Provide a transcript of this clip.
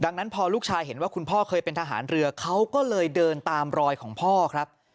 ดังนั้นพอลูกชายเห็นว่าคุณพ่อเคยเป็นทหารเรือเขาก็เลยเดินตามรอยของพ่อครับ